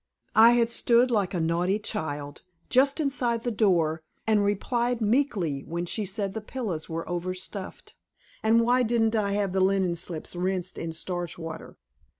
I had stood like a naughty child, just inside the door, and replied meekly when she said the pillows were overstuffed, and why didn't I have the linen slips rinsed in starch water?